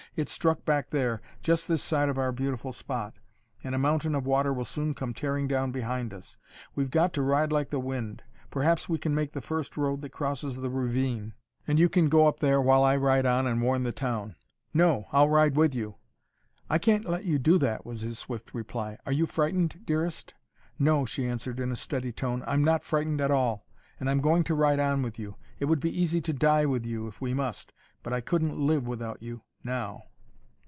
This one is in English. "It struck back there, just this side of our beautiful spot, and a mountain of water will soon come tearing down behind us. We've got to ride like the wind! Perhaps we can make the first road that crosses the ravine, and you can go up there while I ride on and warn the town." "No! I'll ride on with you." "I can't let you do that," was his swift reply. "Are you frightened, dearest?" "No," she answered in a steady tone; "I'm not frightened at all. And I'm going to ride on with you. It would be easy to die with you, if we must but I couldn't live without you, now."